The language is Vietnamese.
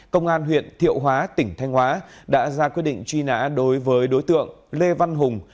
công an huyện thiệu hóa tỉnh thanh hóa đã ra quyết định truy nã đối với đối tượng lê văn hùng